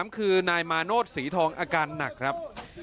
คือนายมาโนธศรีทองอาการหนักครับ